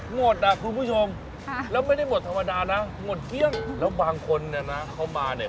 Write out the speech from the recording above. หมดอ่ะคุณผู้ชมค่ะแล้วไม่ได้หมดธรรมดานะหมดเที่ยงแล้วบางคนเนี่ยนะเขามาเนี่ย